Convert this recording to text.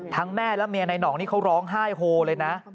ทั้งแม่และเมียในน้องเขาร้องไห้โฮเลยนะ